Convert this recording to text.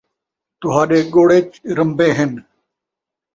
تہاݙے ڳڑ ءِچ رمبے ہن